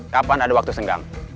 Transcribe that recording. kapan ada waktu senggang